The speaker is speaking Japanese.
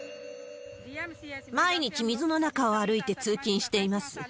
毎日水の中を歩いて通勤しています。